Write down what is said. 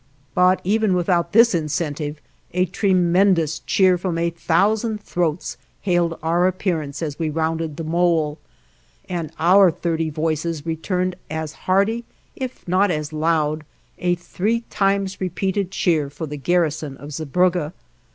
But even without this incentive a tremendous cheer from a thousand throats hailed our appearance as we rounded the mole, and our thirty voices returned as hearty, if not as loud, a three times repeated cheer for the garrison of Zeebrugge.